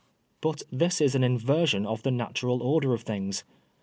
But this is an in version of the natural order of things.